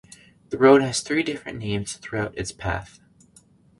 The road has three different names throughout its path.